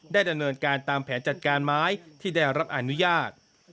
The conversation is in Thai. ดำเนินการตามแผนจัดการไม้ที่ได้รับอนุญาต